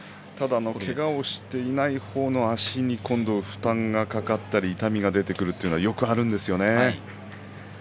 けがをしていない方の足に負担がかかったり痛みが出てくるというのはよくあるんですね。